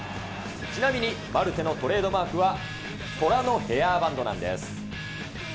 ちなみにマルテのトレードマークは、虎のヘアバンドなんです。